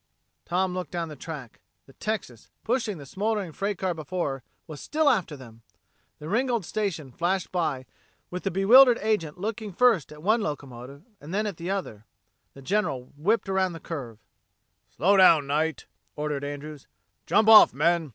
Tom looked down the track. The Texas, pushing the smoldering freight car before her, was still after them! The Ringgold station flashed past, with the bewildered agent looking first at one locomotive and then at the other. The General whipped around the curve. "Slow down, Knight!" ordered Andrews. "Jump off, men.